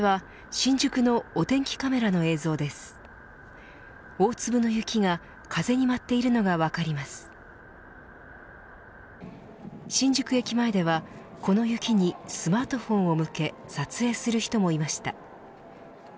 新宿駅前ではこの雪にスマートフォンを向け撮影する人もいました。